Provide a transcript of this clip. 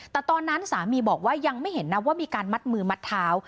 แต่ตอนนั้นสามีบอกว่ายังไม่เห็นนะว่ามีการมัดมือมัดเท้า